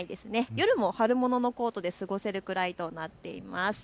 夜も春物のコートで過ごせるくらいとなっています。